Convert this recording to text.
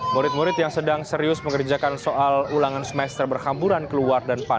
murid murid yang sedang serius mengerjakan soal ulangan semester berhamburan keluar dan pan